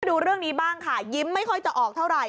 ดูเรื่องนี้บ้างค่ะยิ้มไม่ค่อยจะออกเท่าไหร่